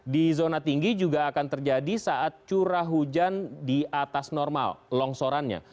di zona tinggi juga akan terjadi saat curah hujan di atas normal longsorannya